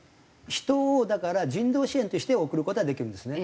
人をだから人道支援として送る事はできるんですね。